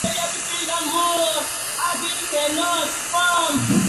Algunos restos de esta especie todavía se conservan.